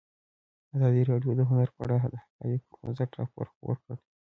ازادي راډیو د هنر په اړه د حقایقو پر بنسټ راپور خپور کړی.